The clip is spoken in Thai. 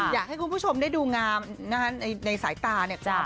อยากให้คุณผู้ชมได้ดูงามในสายตาเนี่ย